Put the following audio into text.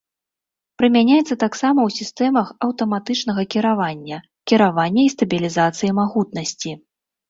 Прымяняецца таксама ў сістэмах аўтаматычнага кіравання, кіравання і стабілізацыі магутнасці.